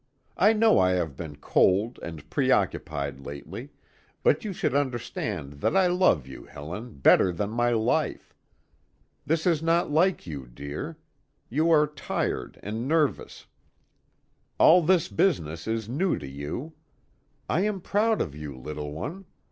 I know I have been cold and preoccupied lately, but you should understand that I love you, Helen, better than my life. This is not like you, dear. You are tired and nervous. All this business is new to you. I am proud of you, little one.